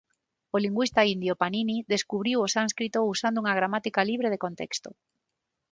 O lingüista indio Panini describiu o sánscrito usando unha gramática libre de contexto.